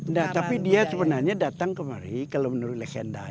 nah tapi dia sebenarnya datang kemari kalau menurut legenda